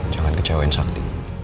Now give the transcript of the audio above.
jangan kecewain sakti